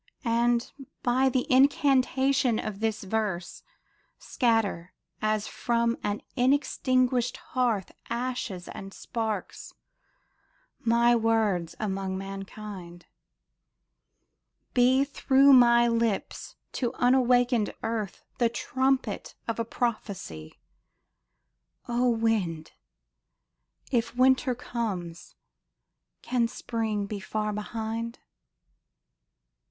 And, by the incantation of this verse, Scatter, as from an unextinguished hearth Ashes and sparks, my words among mankind ! Be through my lips to unawakened earth The trumpet of a prophecy ! O Wind, If Winter comes, can Spring be far behind ?